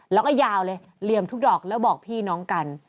แล้วก็ยาวเลยเหลี่ยมทุกดอกแล้วบอกพี่น้องกัน